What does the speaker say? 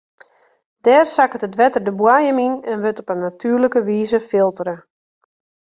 Dêr sakket it wetter de boaiem yn en wurdt it op natuerlike wize filtere.